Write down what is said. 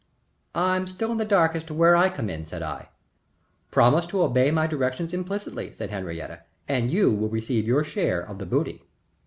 "I'm still in the dark as to where I come in," said I. "Promise to obey my directions implicitly," said Henriette "and you will receive your share of the booty."